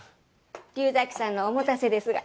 竜崎さんのおもたせですが。